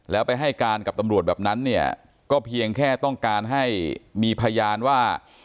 แล้วไปให้การกับตำรวจแบบนั้นเนี่ยก็เพียงแค่ต้องการให้มีพยานว่า